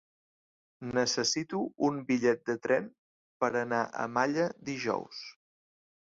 Necessito un bitllet de tren per anar a Malla dijous.